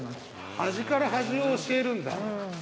端から端を教えるんだ。